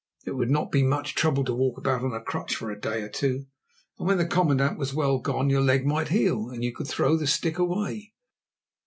It would not be much trouble to walk about on a crutch for a day or two, and when the commandant was well gone, your leg might heal and you could throw the stick away."